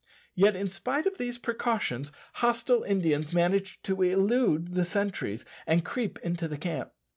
Yet, in spite of these precautions, hostile Indians manage to elude the sentries and creep into the camp.